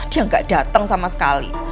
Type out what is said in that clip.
dia nggak datang sama sekali